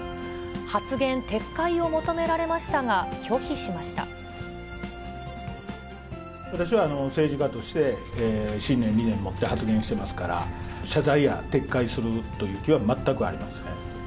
発言撤回を求められましたが、私は政治家として、信念、理念を持って発言してますから、謝罪や撤回するという気は全くありません。